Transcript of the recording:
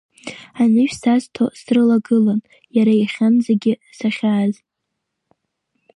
Анышә сазҭо срылагылан иара иахьанӡагьы сахьааз!